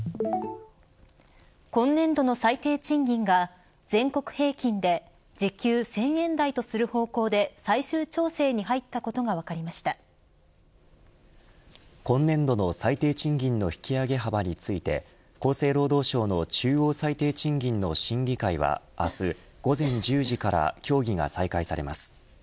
今年度の最低賃金が全国平均で時給１０００円台とする方向で最終調整に入ったことが今年度の最低賃金の引き上げ幅について厚生労働省の中央最低賃金の審議会は明日午前１０時から協議が再開されます。